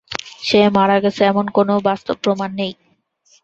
সে মারা গেছে এমন কোনও বাস্তব প্রমাণ নেই।